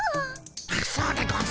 あっそうでゴンス。